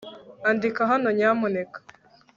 andika hano, nyamuneka